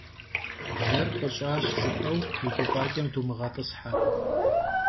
Bler «p'ış'aş» jjıp'eu vui guf'aç'em dumığet'ıshe.